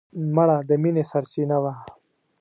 مړه د مینې سرڅینه وه